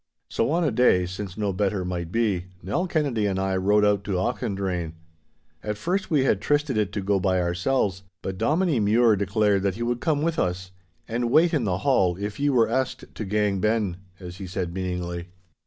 So on a day, since no better might be, Nell Kennedy and I rode out to Auchendrayne. At first we had it trysted to go by ourselves, but Dominie Mare declared that he would come with us—'and wait in the hall, if ye were asked to gang ben',' as he said, meaningly.